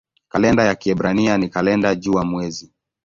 Kalenda ya Kiebrania ni kalenda jua-mwezi.